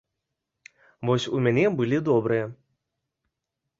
Вось у мяне былі добрыя.